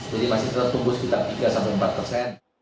jadi masih tetap tumbuh sekitar tiga empat persen